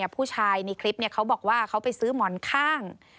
ผู้ชายในคลิปเขาบอกว่าเขาไปซื้อหมอนข้าง